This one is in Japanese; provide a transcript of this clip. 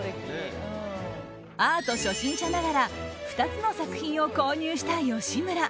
アート初心者ながら２つの作品を購入した吉村。